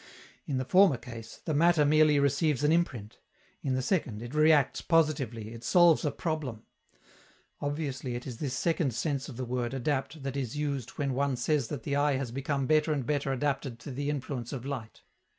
In the former case, the matter merely receives an imprint; in the second, it reacts positively, it solves a problem. Obviously it is this second sense of the word "adapt" that is used when one says that the eye has become better and better adapted to the influence of light.